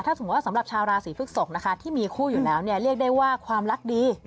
สมมุติว่าสำหรับชาวราศีพฤกษกนะคะที่มีคู่อยู่แล้วเนี่ยเรียกได้ว่าความรักดี